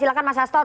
silahkan mas hastal